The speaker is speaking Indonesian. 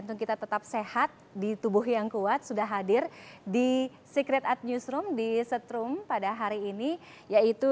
untuk kita tetap sehat di tubuh yang kuat sudah hadir di secret at newsroom di setrum pada hari ini yaitu